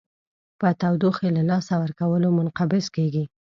په تودوخې له لاسه ورکولو منقبض کیږي.